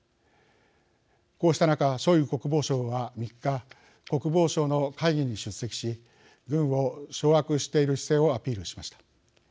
こうした中ショイグ国防相は３日国防省の会議に出席し軍を掌握している姿勢をアピールしました。